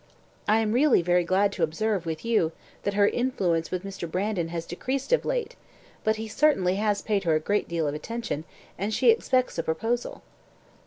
I am really very glad to observe, with you, that her influence with Mr. Brandon has decreased of late; but he certainly has paid her a great deal of attention, and she expects a proposal."